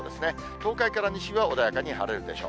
東海から西は穏やかに晴れるでしょう。